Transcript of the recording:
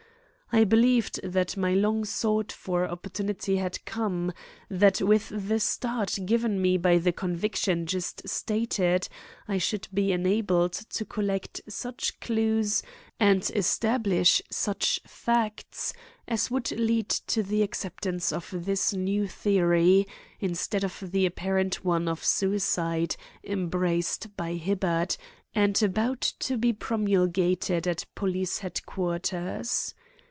I believed that my long sought for opportunity had come; that with the start given me by the conviction just stated, I should be enabled to collect such clues and establish such facts as would lead to the acceptance of this new theory instead of the apparent one of suicide embraced by Hibbard and about to be promulgated at police headquarters.